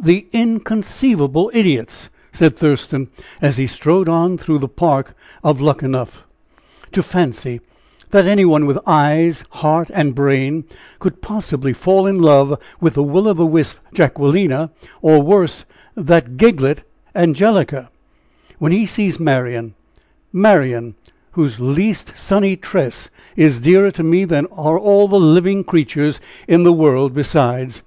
"The inconceivable idiots!" said Thurston, as he strode on through the park of Luckenough, "to fancy that any one with eyes, heart and brain, could possibly fall in love with the 'Will o' the wisp' Jacquelina, or worse, that giglet, Angelica; when he sees Marian! Marian, whose least sunny tress is dearer to me than are all the living creatures in the world besides.